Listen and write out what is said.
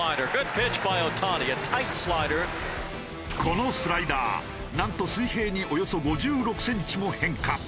このスライダーなんと水平におよそ５６センチも変化！